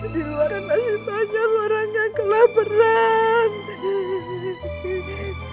diluar kan nasib banyak orang yang kelah perang